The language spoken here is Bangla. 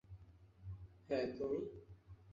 হ্যাঁ, তুমি?